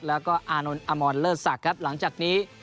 แล้วก็อานนท์อมอนเลอร์สักครับหลังจากนี้